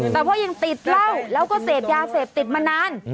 แต่ว่ายังติดเหล้าแล้วก็เสพยาเสพติดมานาน